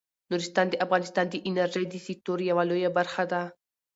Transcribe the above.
نورستان د افغانستان د انرژۍ د سکتور یوه لویه برخه ده.